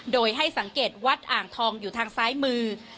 โดยให้สังเกตวัดอ่างทองอยู่ทางซ้ายมือ